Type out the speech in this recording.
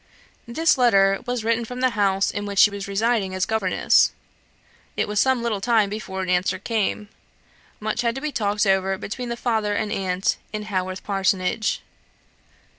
This letter was written from the house in which she was residing as governess. It was some little time before an answer came. Much had to be talked over between the father and aunt in Haworth Parsonage.